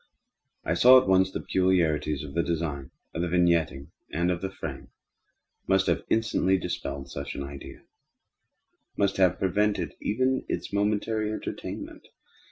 I saw at once that the peculiarities of the design, of the vignetting, and of the frame, must have instantly dispelled such idea—must have prevented even its momentary entertainment.